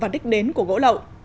đến của gỗ lậu